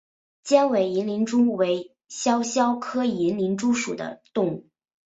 尖尾银鳞蛛为肖峭科银鳞蛛属的动物。